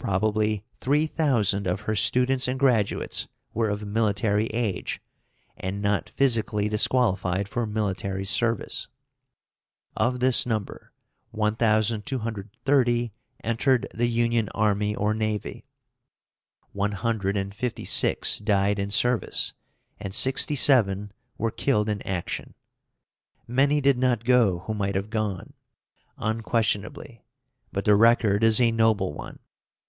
Probably 3000 of her students and graduates were of military age, and not physically disqualified for military service. Of this number, 1230 entered the Union army or navy. One hundred and fifty six died in service, and 67 were killed in action. Many did not go who might have gone, unquestionably, but the record is a noble one.